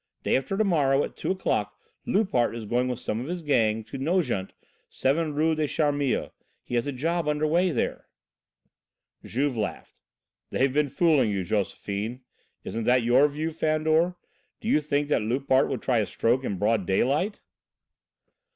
Day after to morrow at 2 o'clock, Loupart is going with some of his gang to Nogent, 7 Rue des Charmilles. He has a job there under way." Juve laughed. "They've been fooling you, Josephine. Isn't that your view, Fandor? Do you think that Loupart would try a stroke in broad daylight?"